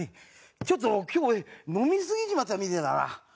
ちょっと今日俺飲みすぎちまったみてえだな。